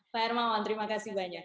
pak hermawan terima kasih banyak